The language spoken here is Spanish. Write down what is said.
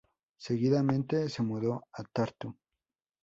Seguidamente se mudó a Tartu.